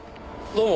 どうも。